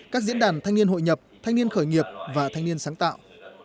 các diễn đàn thanh niên hội nhập thanh niên khởi nghiệp và thanh niên sáng tạo